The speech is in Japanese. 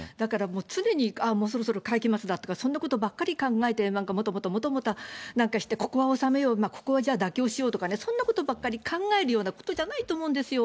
常に、ああ、もうそろそろ会期末だとか、そんなことばっかり考えて、もたもたもたもたなんかして、ここは収めよう、ここはじゃあ、妥協しようとかね、そんなことばっかり考えるようなことじゃないと思うんですよ。